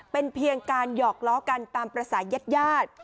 เป็นเพียงการหยอกล้อกันตามภาษายาด